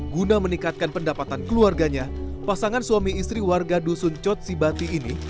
guna meningkatkan pendapatan keluarganya pasangan suami istri warga dusun cotsibati ini